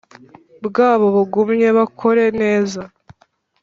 bwabo bagumye bakore neza